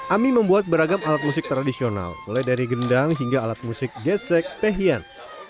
ami membuat beragam alat musik tradisional mulai dari gendang hingga alat musik gesek pehian